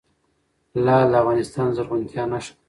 لعل د افغانستان د زرغونتیا نښه ده.